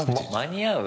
間に合う？